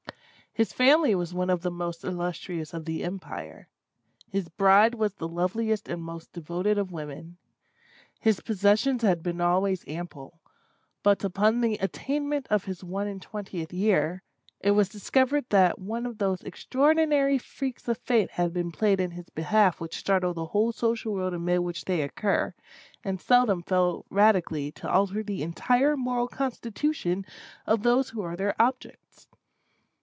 His family was one of the most illustrious of the empire. His bride was the loveliest and most devoted of women. His possessions had been always ample; but, upon the attainment of his one and twentieth year, it was discovered that one of those extraordinary freaks of Fate had been played in his behalf which startle the whole social world amid which they occur, and seldom fail radically to alter the entire moral constitution of those who are their objects.